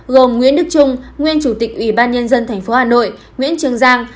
gồm nguyễn đức trung nguyên chủ tịch ubnd tp hà nội nguyễn trường giang